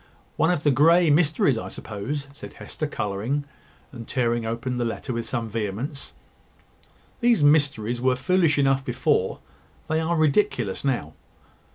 "One of the Grey mysteries, I suppose," said Hester, colouring, and tearing open the letter with some vehemence: "These mysteries were foolish enough before; they are ridiculous now.